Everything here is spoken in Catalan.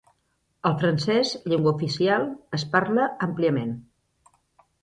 El francès, llengua oficial, es parla àmpliament.